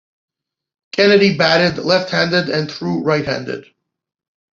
Kennedy batted left-handed and threw right-handed.